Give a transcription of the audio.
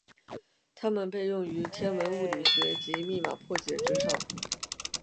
它们被用于天文物理学及密码破解之上。